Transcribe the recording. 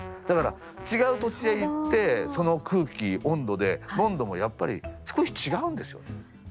だから違う土地へ行ってその空気温度で飲んでもやっぱり少し違うんですよね。